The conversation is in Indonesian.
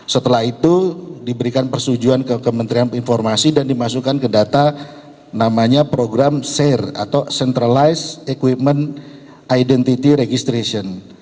setelah itu diberikan persetujuan ke kementerian informasi dan dimasukkan ke data namanya program sair atau centralized equipment identity registration